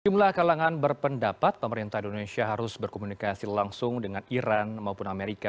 jumlah kalangan berpendapat pemerintah indonesia harus berkomunikasi langsung dengan iran maupun amerika